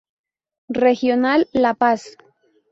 Regional La Paz.